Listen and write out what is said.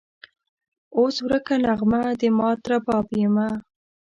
اوس ورکه نغمه د مات رباب یمه